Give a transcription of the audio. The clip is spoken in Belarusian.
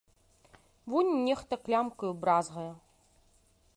Вунь нехта клямкаю бразгае.